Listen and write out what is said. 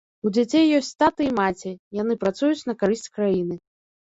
У дзяцей ёсць таты і маці, яны працуюць на карысць краіны.